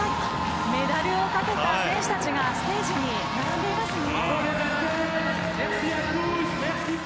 メダルをかけた選手たちがステージに並んでいますね。